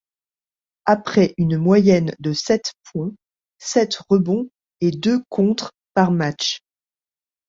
Après une moyenne de sept points, sept rebonds et deux contres par match.